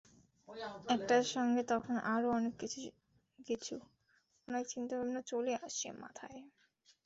এটার সঙ্গে তখন আরও অনেক কিছু, অনেক চিন্তাভাবনা চলে আসে মাথায়।